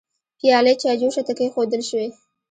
پيالې چايجوشه ته کيښودل شوې.